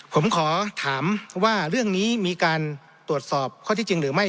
ผมขอถามว่าเรื่องนี้มีการตรวจสอบข้อที่จริงหรือไม่